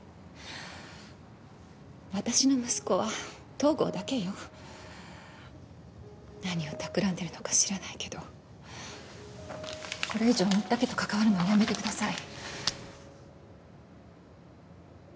私の息子は東郷だけよ何をたくらんでるのか知らないけどこれ以上新田家と関わるのはやめてください